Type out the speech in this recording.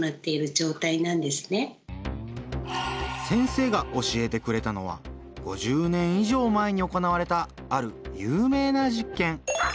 先生が教えてくれたのは５０年以上前に行われたある有名な実験。